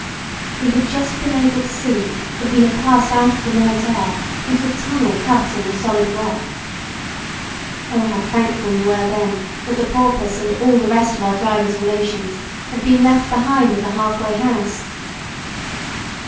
We had just been able to see that we had passed out of the night air into a tunnel cut in the solid rock. Oh, how thankful we were then that the porpoise and all the rest of our driver's relations had been left behind at the half way house.